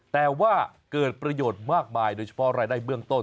แต่ว่าเกิดประโยชน์มากมายโดยเฉพาะรายได้เบื้องต้น